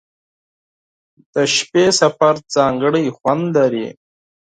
• د شپې سفر ځانګړی خوند لري.